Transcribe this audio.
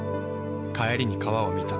帰りに川を見た。